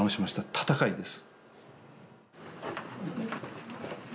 闘いです。